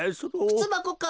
くつばこか？